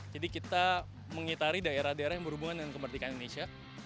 jadi kita mengitari daerah daerah yang berhubungan dengan kemerdekaan indonesia